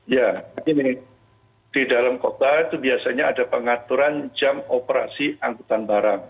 ya begini di dalam kota itu biasanya ada pengaturan jam operasi angkutan barang